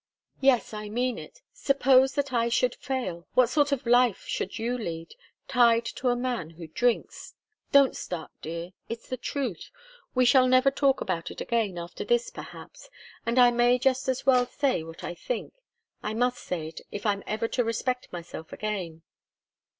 "Yes, I mean it. Suppose that I should fail, what sort of life should you lead tied to a man who drinks? Don't start, dear it's the truth. We shall never talk about it again, after this, perhaps, and I may just as well say what I think. I must say it, if I'm ever to respect myself again."